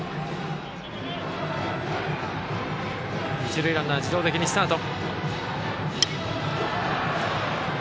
一塁ランナー、自動的にスタート。